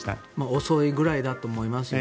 遅いぐらいだと思いますよね。